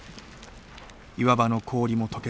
岩場の氷も解けだし